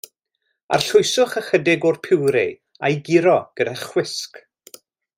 Arllwyswch ychydig o'r purée a'i guro gyda chwisg.